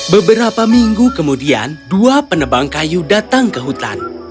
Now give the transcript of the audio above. beberapa minggu kemudian dua penebang kayu datang ke hutan